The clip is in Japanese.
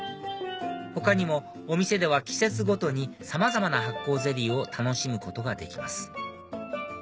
他にもお店では季節ごとにさまざまな発酵ゼリーを楽しむことができます